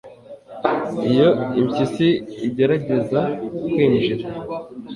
iyo impyisi igerageza kwinjira